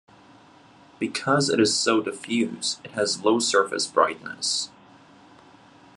Because it is so diffuse, it has a low surface brightness.